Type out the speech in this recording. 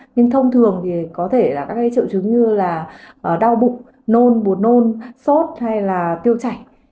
nhưng thông thường thì có thể là các triệu chứng như là đau bụng nôn bột nôn sốt hay là tiêu chảy